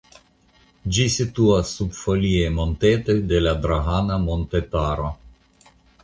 Ĝi situas sub foliaj montetoj de Drahana montetaro.